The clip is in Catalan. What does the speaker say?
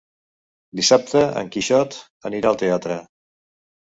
Dissabte en Quixot anirà al teatre.